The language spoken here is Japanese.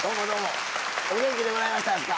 お元気でございましたですか？